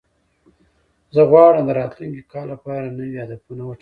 زه غواړم د راتلونکي کال لپاره نوي هدفونه وټاکم.